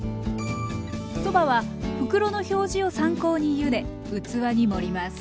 そばは袋の表示を参考にゆで器に盛ります。